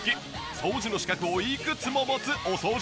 掃除の資格をいくつも持つお掃除芸人です。